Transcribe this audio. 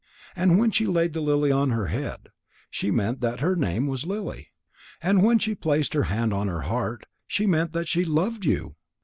And when she laid the lily on her head, she meant that her name was Lily. And when she placed her hand on her heart, she meant that she loved you.